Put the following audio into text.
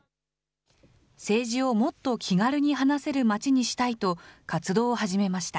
政治をもっと気軽に話せる街にしたいと活動を始めました。